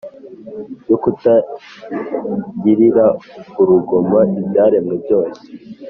ryo kutagirira urugomo ibyaremwe byose.